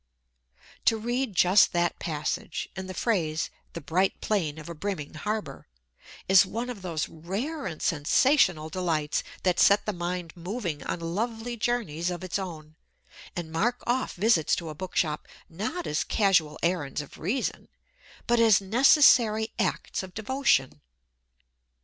To read just that passage, and the phrase the bright plane of a brimming harbour, is one of those "rare and sensational delights" that set the mind moving on lovely journeys of its own, and mark off visits to a bookshop not as casual errands of reason, but as necessary acts of devotion.